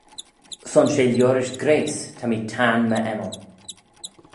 Son she liorish grayse ta mee tayrn my ennal.